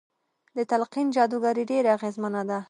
د تلقين جادوګري ډېره اغېزمنه ده.